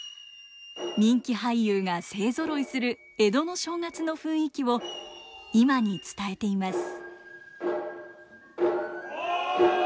人気俳優が勢ぞろいする江戸の正月の雰囲気を今に伝えています。